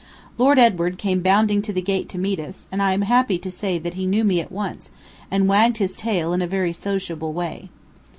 Lord Edward came bounding to the gate to meet us, and I am happy to say that he knew me at once, and wagged his tail in a very sociable way.